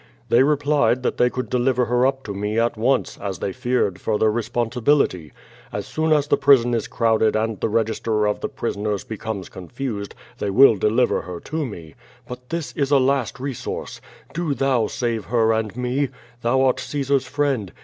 "They replied that they could deliver her up to me at once, as they feared further responsibility. As soon as the j)rison is crmvded and the register of the prisoners becomes confused, they will deliver her to me. But this is a last resource! Do thou save her and me. Thou art Caesar's friend.